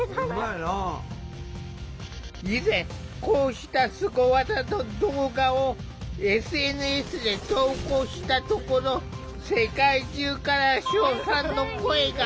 以前こうしたスゴ技の動画をＳＮＳで投稿したところ世界中から称賛の声が。